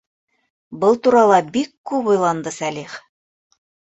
Был турала бик күп уйланды Сәлих.